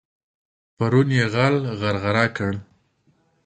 پرون يې غل غرغړه کړ.